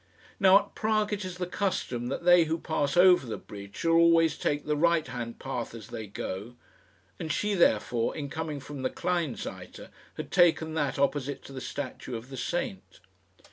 Now, at Prague it is the custom that they who pass over the bridge shall always take the right hand path as they go; and she, therefore, in coming from the Kleinseite, had taken that opposite to the statue of the saint.